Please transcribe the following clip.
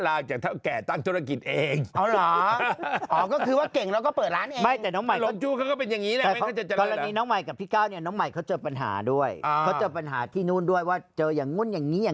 แล้วพี่ก้าก็เลยเอ้าเราไปอยู่ด้วยกันดีกว่า